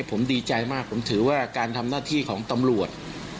ผมดีใจมากผมถือว่าการทำหน้าที่ของตำรวจ